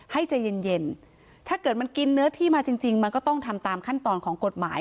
ให้ใจเย็นถ้าเกิดมันกินเนื้อที่มาจริงจริงมันก็ต้องทำตามขั้นตอนของกฎหมาย